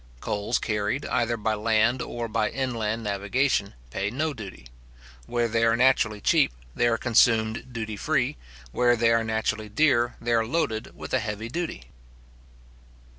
Coals carried, either by land or by inland navigation, pay no duty. Where they are naturally cheap, they are consumed duty free; where they are naturally dear, they are loaded with a heavy duty.